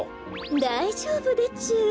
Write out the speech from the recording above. だいじょうぶでちゅ。